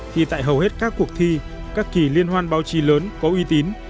thì tại hầu hết các cuộc thi các kỳ liên hoan báo chí lớn có uy tín